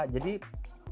jadi tetap perlu